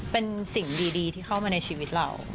เป็นสิ่งดีที่เข้ามาในชีวิตเรา